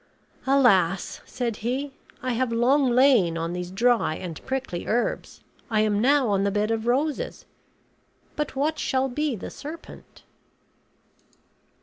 "Alas," said he, "I have long lain on these dry and prickly herbs, I am now on the bed of roses; but what shall be the serpent?"